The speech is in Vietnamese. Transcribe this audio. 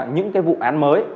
những vụ án mới